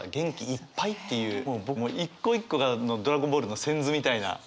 一個一個が「ドラゴンボール」の仙豆みたいな。